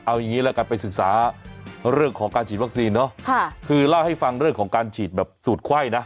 เอาอย่างนี้ละกันไปศึกษาเรื่องของการฉีดวัคซีนเนอะคือเล่าให้ฟังเรื่องของการฉีดแบบสูตรไข้นะ